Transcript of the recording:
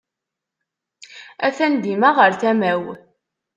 Atan dima ɣer tama-w.